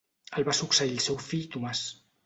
El va succeir el seu fill Tomàs.